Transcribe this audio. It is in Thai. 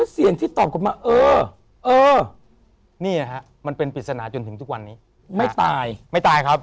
เสียงที่ตอบมาเออมันเป็นปรีศานะจนถึงทุกวันนี้ไม่ตายไม่ตายครับ